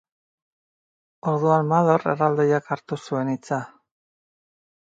Orduan, Mador erraldoiak hartu zuen hitza.